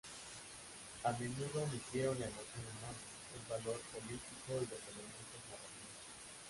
A menudo omitieron la emoción humana, el valor político y los elementos narrativos.